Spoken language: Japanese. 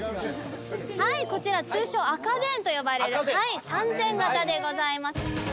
はいこちら通称赤電と呼ばれる３０００形でございます。